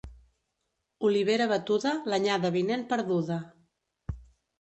Olivera batuda, l'anyada vinent perduda.